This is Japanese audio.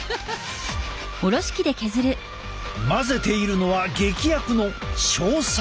混ぜているのは劇薬の硝酸。